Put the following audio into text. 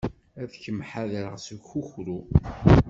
Ad kem-ḥadreɣ seg ukukru.